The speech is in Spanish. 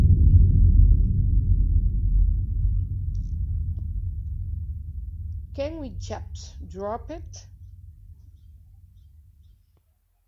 Este factor causo además un incremento poblacional de estos municipios.